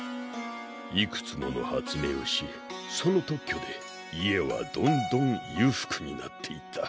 いくつもの発明をしその特許で家はどんどん裕福になっていった。